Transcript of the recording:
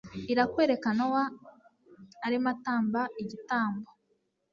irakwereka Nowa arimo atamba igitambo